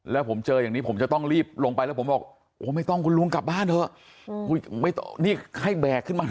และแล้วโหงละบีบ